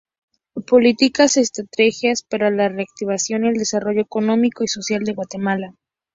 Políticas y estrategias para la reactivación y el desarrollo económico y social de Guatemala.